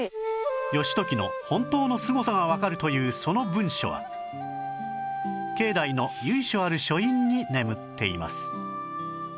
義時の本当のすごさがわかるというその文書は境内の由緒ある書院に眠っています